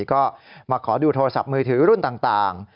ก็มาขอดูโทรศัพท์มือถือรุ่นต่าง